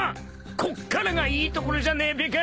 こっからがいいところじゃねえべか。